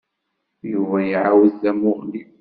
Yuba iɛawed tamuɣli.